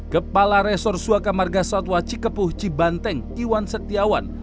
kepala resor suwakamarga satwa cikepuh cibanteng iwan setiawan